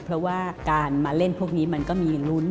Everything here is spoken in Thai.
เพราะว่าการมาเล่นพวกนี้มันก็มีลุ้น